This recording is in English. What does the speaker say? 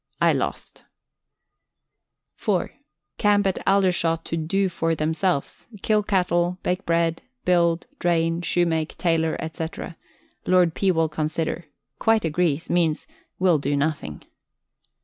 I lost. (4) Camp at Aldershot to "do for" themselves kill cattle, bake bread, build, drain, shoe make, tailor, &c. Lord P. will consider: quite agrees; means "will do nothing."